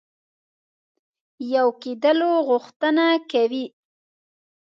یو کېدلو غوښتنه کوي.